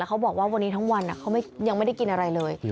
เขาบอกว่าวันนี้ทั้งวันเขายังไม่ได้กินอะไรเลย